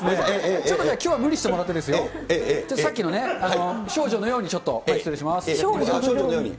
ちょっときょうは無理してもらってですよ、さっきのね、少女のように、ちょっと、前失礼少女のように？